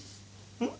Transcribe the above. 「うん？」